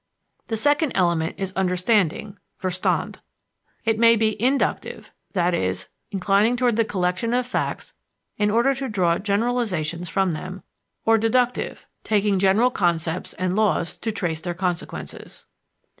The second element is understanding (Verstand). It may be inductive i.e., inclining toward the collection of facts in order to draw generalizations from them or deductive, taking general concepts and laws to trace their consequences.